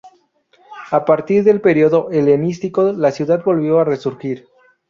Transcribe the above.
A partir del periodo helenístico la ciudad volvió a resurgir.